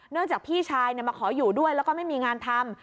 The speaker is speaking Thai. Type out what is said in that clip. จากพี่ชายมาขออยู่ด้วยแล้วก็ไม่มีงานทำ